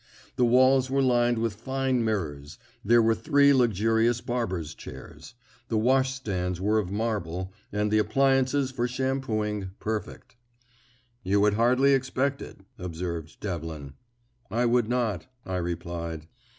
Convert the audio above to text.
The walls were lined with fine mirrors; there were three luxurious barber's chairs; the washstands were of marble; and the appliances for shampooing perfect. "You would hardly expect it," observed Devlin. "I would not," I replied.